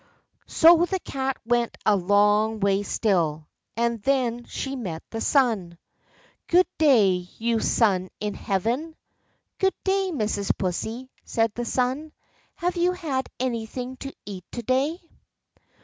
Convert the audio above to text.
So the Cat went a long way still, and then she met the sun. "Good day, you sun in heaven." "Good day, Mrs. Pussy," said the sun; "have you had anything to eat to day?"